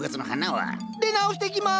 出直してきます。